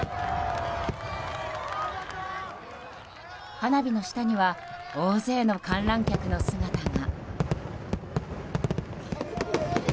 花火の下には大勢の観覧客の姿が。